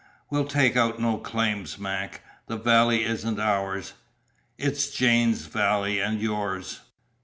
We'll take out no claims, Mac. The valley isn't ours. It's Jane's valley and yours!"